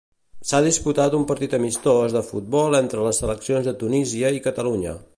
S'ha disputat un partit amistós de futbol entre les seleccions de Tunísia i Catalunya.